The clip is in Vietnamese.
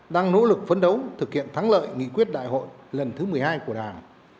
đang nỗ lực phấn đấu thực hiện thắng lợi nghị quyết đại hội lần thứ một mươi hai của đảng